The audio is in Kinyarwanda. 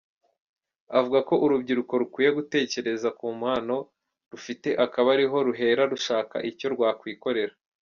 Avuga ko urubyiruko rukwiye gutekereza ku mpano rufite akaba ariho ruhera rushaka icyo rwakwikorera.